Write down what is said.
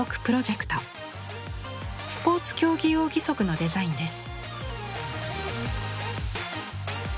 スポーツ競技用義足のデザインです。